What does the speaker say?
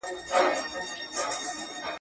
الهي قوانین د انسانانو لپاره غوره دي.